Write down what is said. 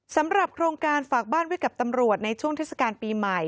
สำหรับโครงการฝากบ้านไว้กับตำรวจในช่วงเทศกาลปีใหม่